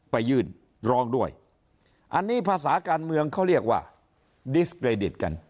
ไปยื่นร้องด้วยอันนี้ภาษาการเมืองเขาเรียกว่า